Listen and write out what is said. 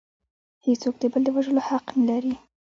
هیڅوک د بل د وژلو حق نلري